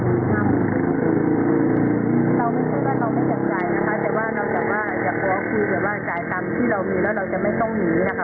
คือจะว่าจ่ายตามที่เรามีแล้วเราจะไม่ต้องหนีนะคะ